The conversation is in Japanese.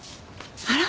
あら？